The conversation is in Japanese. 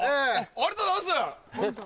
ありがとうございます！